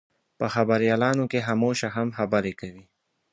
په خبریالانو کې خاموشه هم خبرې کوي.